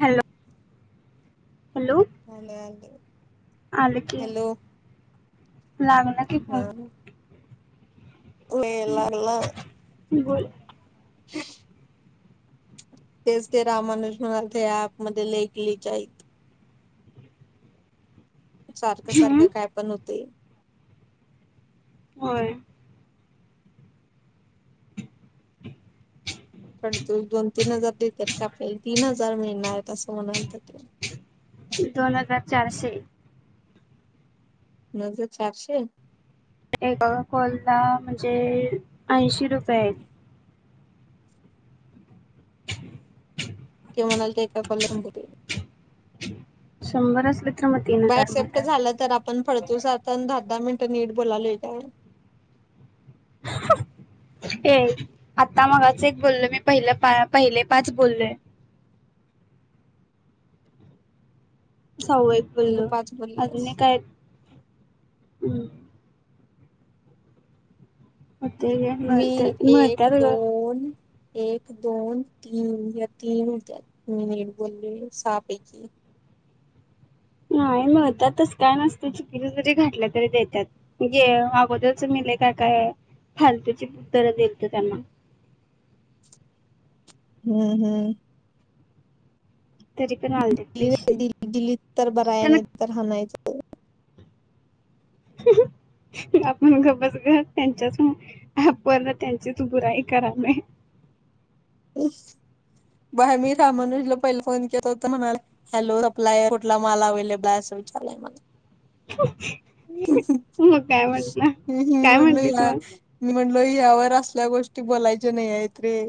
Hello. Hello. हलेे, हलेे. आले की. लागला की हा फोन. [unintelligible] बोल [inaudible] तेच ते रामानुष म्हणल ते ऍप मध्ये लई ग्कीच आहेत. सारखं हम्म सारखं काय पण हूतय. होय. [inaudible] पण तू दोन तीन हजार देत्यात काय, आपल्याला तीन हजार मिळणार आहेत असं म्हणाल तर ते. दोन हजार चारशे. दोन हजार चारशे! एका कॉल ला म्हणजे ऐंशी रुपये आहे. कि म्हणाला ते एका कॉलला शंभर असल बाय एक्सेप्ट झालं तर पण फडतूस आता दहा दहा मिनिटं नीट बोलालोय ता ए आता मगाच एक बोललो मी पहिलं पा पहिले पाच बोललोय. साव्व एक पहिले बोललो पाच अजून बोललेस एक हाय. हम्म. म ते ग मी मिळतात एक मिळतात ग. दोन एक, दोन, तीन या तीन मिनिट बोललेलो. सहापैकी. नाही म्हणतात. तस काय नसतय. चूकीच जरी घातल तरी देतात. जे अगोदरच मि लई काय काय फालतू ची उत्तर दिलतो त्यांना. हम्म. हम्म. तरी पण आलते पैसे. दिली दिल्लीत तर बराया, त्यांना नाही तर हाणायच. हो [unintelligible] आपण घबजघत त्यांच्याच आपर्ण त्यांचीच बुराई करावे बाई मी रामानुजला पहिले फोन केेत होत म्हणाल हॅलो सला कुठला माल अवलेबल आहे असं विचारलंय मला. मग काय म्हण ना, मी काय म्हणलो म्हणतीस या मग? मी म्हणलो ह्यावर असल्या गोष्टी बोलायच्या नाही आहेत रे.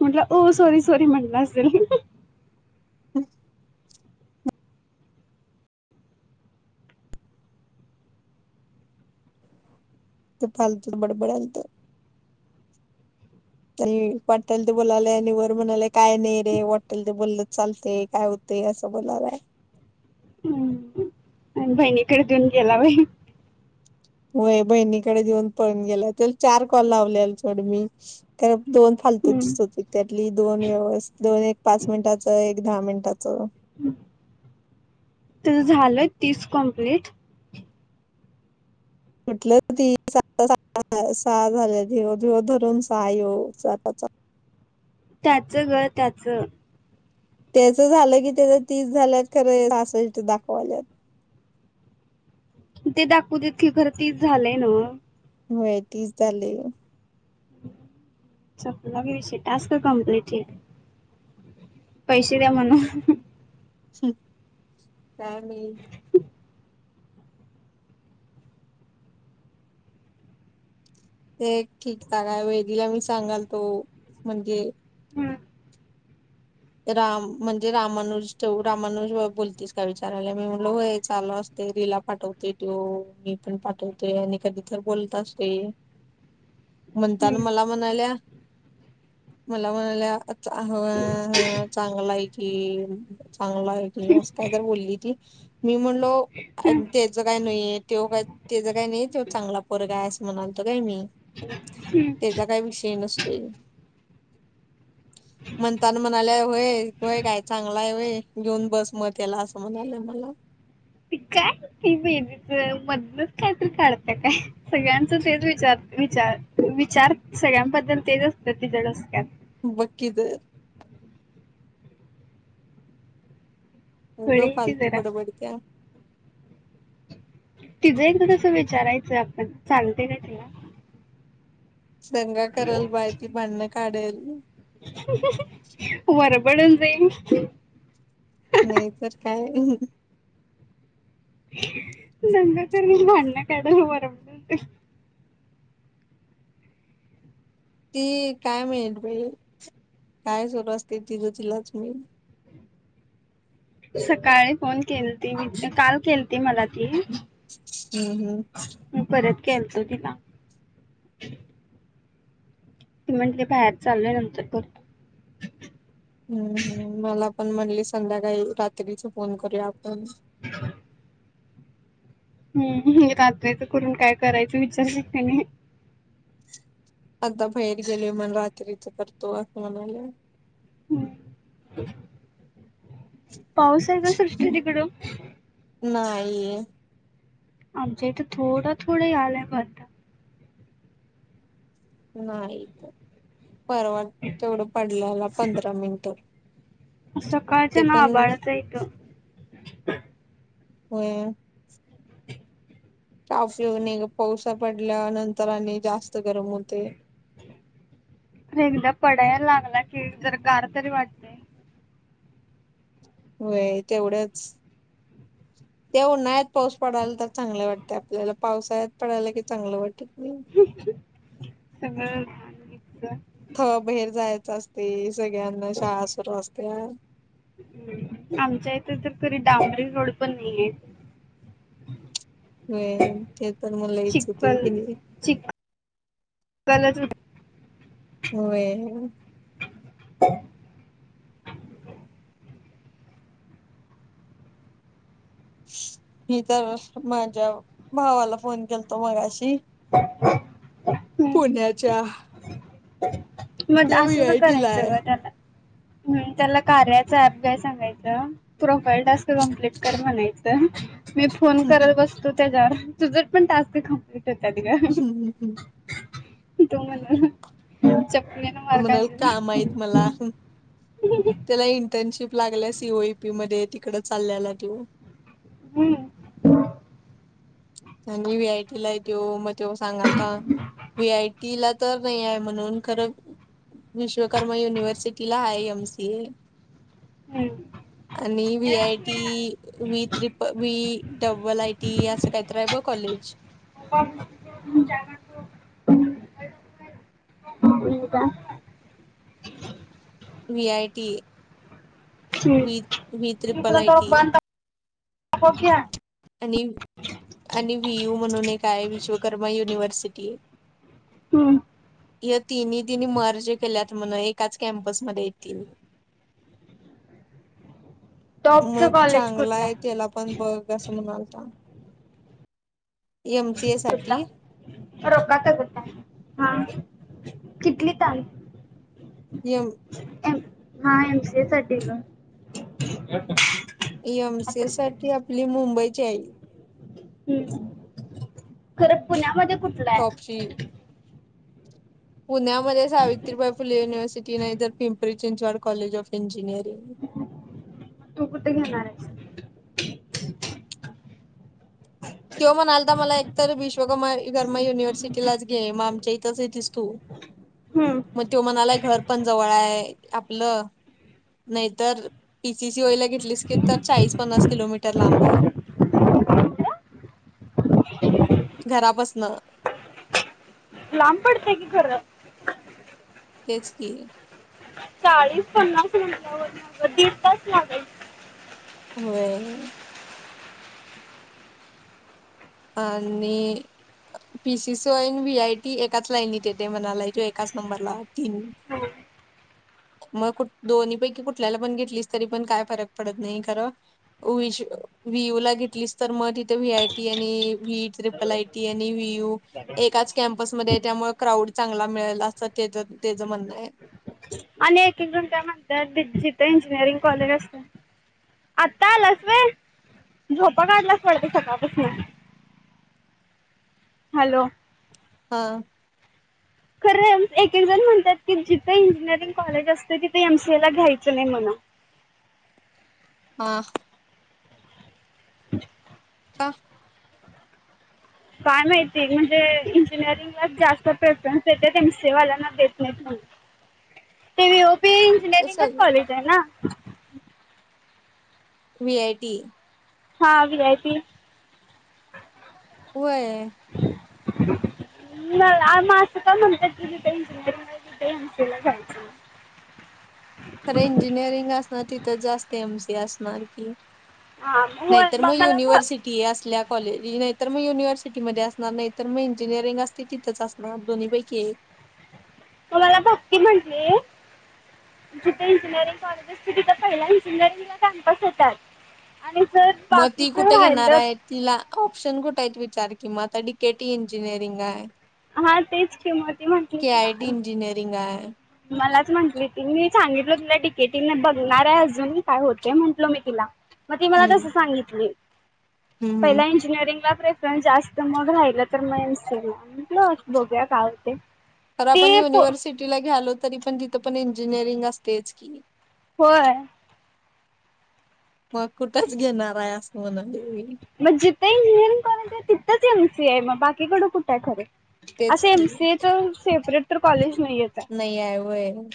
म्हटलं सॉरी सॉरी म्हटलं असेल. हम. ते फलतू तर बडे बडे्यालता. आणि वाटल ते बोलालाय आणि वर म्हणालेय काय नाही, रे वाटेल ते बोललं चालते काय होत असं बोलालाय. हम्म आणि बहिणीकडे देऊन गेला बाई. वय बहिणीकडे देऊन पळून गेला. त्या चार कॉल लावले सोड मी कार दोन फालतो हम्म. दिसत त्या. दोन व्यव दोन एक पाच मिनिटाच, एक दहा मिनिटाच झाल तीस कंप्लीट. म्हटलं ती सहा झाल्याेव धरून सहा येऊ जाताचा. त्याचं घर त्याचं. त्याच झालं की त्याच तीस झाल्यात खरं असल तर दाखवाल्यात. ते दाखवू ततकीे खरं तीस झालंय नव्ह. हो ये तीस झालंय. चपलं घे टास्क कमप्लीट पैसे द्या म्हणा. स. त्या म ते ठीकठा काय वेदिला मी सांगाल तो म्हणजे हम्म. राम म्हणजे रामानुज ठेव रामानुज बोलतीस का विचारायला मी म्हणलो होय चालू असते रिला पाठवतोय तो मी पण पाठवतोय आणि कधी तर बोलत असते म्हणताना हम्म. मला म्हणाल्या मला म्हणाल्या ह हा चांगला आहे की चांगला आहे कि असं काय तर बोलली ती मी म्हणलो त्याच काय नाहीय तेव काय त्याच काय नाही ते चांगला पोरगा आहे असं म्हणालत काय मी त्याचा काय विषय नत म्ह ता म्हणालेय होय वय काय चांगला आहे वय घेऊन बस मत याला असं म्हणालय मला ती बेदीच मधनच काहीतरी काढतं काय सगळ्यांचं तेच विचार विचार विचार सगळ्यांबद्दल तेच असतं तिचं डोस्कायात. बग की तर उग थोडी ती फलतू जरा बड बड त्या तिचं एकदा तसं विचारायचं आपण, चालत का तुला दंगा कराल बाळ ती भांडणं काढेल. बडबडून जाई नाही तर काय दंगा तर मी भांडण का बर ती काय माहील बाई काय सुरू असते तिझं तिलाच माहीत सकाळी फोन केलती काल केलती मला ती हम्म हम्म मी परत केलतो तीला ते म्हण त ते बाहेर चाललय नंतर करतो हम्म हम् मला.. पण म्हनली, संध्याकाळी रात्रीच फोन करू या. [unintelligible] हम् रात्रीच करून काय करायच, विचारलं कां नाहीं? आता बाहेर गेले. मला रात्रीच करतो असं म्हणाले. रिकामा ऑडिओ पाऊस आहे कां? श्रुष्टी तिकडं. नाई. आमच्या हीत थोडा थोडा यायलाय बग आता. नाहीे. परवा तेवढं पडलेला पंधरा मिनिट. सकाळच्या ते ना पण आभाळ येतं इथं. रिकामा ऑडिओ व्हय. [unintelligible] आणि पाऊसा पडल्या नंतर आणि जास्त गरम होते. एकदा पडाया लागला कीं जरा गार तरी वाटतंय. होय तेवढ्याच ते उन्हाळ्यात पाऊस पडाल तर चांगलं वाटतं आपल्याला पाऊसळ्यात पडाल की चांगलं वाटत नाही. सगळंच. थ बहेर जायचं असते सगळ्यांना शाळा सुरू असते्या. आमच्या इथे तर तरी डांबरी रोड पण नाहीए. होय ते तर म लईच होते चिखल कीं नाई. [unintelligible] होय. रिकामा ऑडिओ मी तर माझ्या भावाला फोन केलतो मगाशी. हम्म. पुण्याच्या. मग त्यो व्ही असं तर आय टी ला करायचं आहे. व्हय त्याला. त्याला कार्याच ऍप घ्या सांगायच. प्रोफाईल टास्क कम्प्लीट कर म्हणायचं. मी फोन करत बसतो. त्याच्यावर तूच पण टास्क कम्प्लिट.. [unintelligible] तो म्हन. तो म्हणल काम आहेत मला. हं. त्याला इंटर्नशिप लागला सीओ ए पी मध्ये तिकडं चालेल्या त्यो. हम्. आणि व्ही आय टी हाय त्यो म सांगालता व्ही आय टी ला तर वय हाय म्हनून खरं विश्व कर्मा युनिवरसिटीला आय एम सी. हम्म आणि V I T.. V त्रिप V double I. T अस काही तरी. रायबा कॉलेज. का [unintelligible] V. I. T. V. Triple I. T. आपोपीया आणि आणि व्ही. यु म्हणून एक काय विश्वकर्मा युनिव्हर्सिटी. हम्म. या तिन्ही तिन्ही मर्ज केल्यात म्हण एकाच कॅम्पस मध्ये येतील. मग टॉपच कॉलेज चांगला कुठला आहे त्याला पण बघ अस म्हणाल. एम रक ग हा [unintelligible] किटलीत आण. येऊ. हा एम सी ए साठी दिला. एम सी साठी आपली मुंबईत. [unintelligible] हम्म खर पुण्यामध्ये. कुठलय. टॉपची पुण्यामध्ये सावित्रीबाई फुले. युनवर्सिटी नाहीतर Pimpri Chinchwad college of engineering. कुठ घेणार आहेच. त्यो म्हणाला तर मला एकतर विश्वकर्मा कर्मा युनिव्हर्सिटीलाच घे मग आमच्या इथंच येतीस तू आहेस मग तो म्हणालाय घर पण जवळ आहे आपल. नाही तर पी सी सी वयला घेतलीस की तर चाळीस पन्नास किलोमीटर लांब आहे. घरा पसन. लांब पडतय की खर. तेच की. चाळीस पन्नास म्हटल्यावर मग दिड तास लागलं. होय आणि P. C. C. In, V. A. T एकाच लाईनीत येते म्हणाला तो एकाच नंबरला तीन मग कु दोन पैकी कुठल्याला पण घेतलीस तरी पण काय फरक पडत नाही खरं व्हीशु वि. ओ. ला घेतलीस तर मग तिथे वी. आय. टी. आणि व ट्रिपल आय. टी. आणि वी. ओ. एकाच कॅप. बसमध्ये त्यामुळे क्राऊड चांगला मिळेल असं त्याचं त्याचं म्हणणं आहे. आणि एक एकजण काय म्हणतात बिथ इंजिनिअरिंग कॉलेज असते आता आलास व्हय झोपा काढलास वाटत सकाळपासून. हॅलो. हा. खरं एक एक जण म्हणतात की जिथे इंजिनिअरिंग कॉलेज असते तिथे एम. सी. ए ला घ्यायचं नाही म्हणून. हा. ह [unintelligible] काय माहिती म्हणजे इंजिनिअरिंगला जास्त प्रेफरन्स देत्यात एमसीए वाल्यांना देत नाही म्हण ते ते कस इंजिनिअरिंगच कॉलेज आहे ना वी आय टी हा वी आय टी व्हय आ म असं का म्हणतात की तिथे एंजििरंग तिथे एंसीला घयचं खरं इंजिनिअरिंग अस ना तिथं जास्त एम सी असत मारकी हां होय नाहीत मग मला भ मग युनिव्हर्सिटी असल्या कॉलेज नाहीतर मग युनिव्हर्सिटी मध्ये असणार नाहीत तर मग इंजिनिअरिंग असते तिथंच असणार दोन्ही पैकी एक तुम्हाला भक्ती म्हटली जिथे इंजिनिअरिंग कॉलेज असते तिथं पहिला इंजिनिअरिंगला कॅम्पस येतात. आणि जर मग ती बाकीचं कुठे घेणार राहिलं आहे तिला ऑप्शन कुठे आहेत? विचार की मग आता डी केे टी इंजिनीरींग हाय हा तेच की मग ती म्हटली के की आय टी म- इंजिनयरिंग आहेय. मलाच म्हंटली ती मी सांगितल तिला डी के टी बघणार आहे अजून काय होते म्हंटलो मी तिला मग ती मला हम्म तसं सांगितली हम्म हम्म पहिला इंजिनिअरिंगला प्रेफरन्स जास्त मग राहिला तर मग म्हटलं बघूया काय होते तर आपण ती पो युनिव्हर्सिटीला घ्यालोत तरी पण तिथं पण इंजिनिअरिंग असतेयच की होय मग कुठेच घेणार आहे अस म्हणजे ते इंजिनियरींग कॉलेज च एम सी ए मग बाकीकडं कुठं आहे खरं तेच असं एम की सी ए चं सेपरेट तर कॉलेज नाहीयेत नाही आहे व्हयं.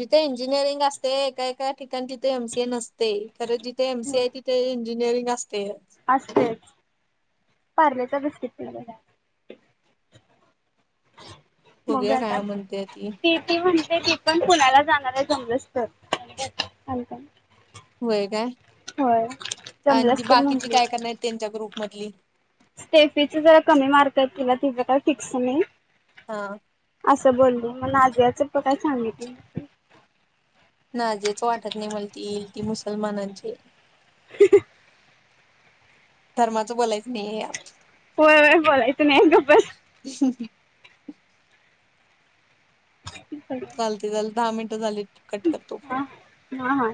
जिथे इंजिनिअरिंग असते एका एका ठिकाणी तिथे एम सी ए नसते. खरं जिथे एम सी ए आहे तिथे इंजिनीरिंग असतेयच पारलेचा बिस्कीट पुडा द्या. मग बघूया आता काय म्हणते ती ते ते म्हण ती पण पुण्याला जाणार आहे जमलंस तर व्हय काय. होय जमलास तर म्हटली. म्हटली. स्टेफीच जरा कमी मार्क आहे किंवा तिथं काही फिक्स नाही. हा. असं बोलली मग नाजियाच पण काय सांगितली नाही. नाजियाच वाटत नाही मला ती येईल ती मुसलमानांची [unintelligible] धर्माच बोलायच नाही आहे व्हय व्हय बोलायच नाही गप बस. यात. [inaudible] चालतय चल दहा मिनट झाले. कट करतो हा फोन. हा हा